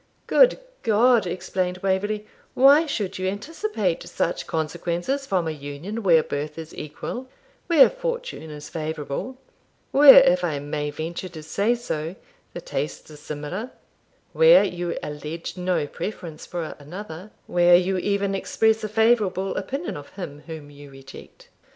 'Good God!' exclaimed Waverley, 'why should you anticipate such consequences from a union where birth is equal, where fortune is favourable, where, if I may venture to say so, the tastes are similar, where you allege no preference for another, where you even express a favourable opinion of him whom you reject?'